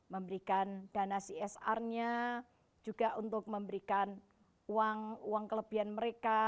memberikan dana csr nya juga untuk memberikan uang kelebihan mereka